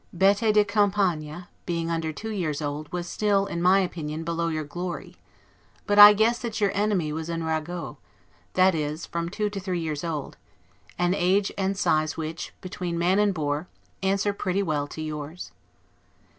'Bete de compagne', being under two years old, was still, in my opinion, below your glory; but I guess that your enemy was 'un Ragot', that is, from two to three years old; an age and size which, between man and boar, answer pretty well to yours.